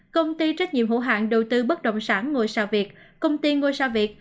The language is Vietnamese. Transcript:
công ty trách nhiệm hữu hạng đầu tư bất động sản ngôi sao việt công ty ngôi sao việt